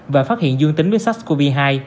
và phát hiện dương tính với sars cov hai